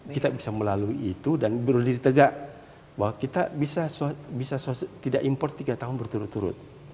kita bisa melalui itu dan berdiri tegak bahwa kita bisa tidak import tiga tahun berturut turut